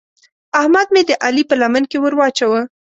احمد مې د علي په لمن کې ور واچاوو.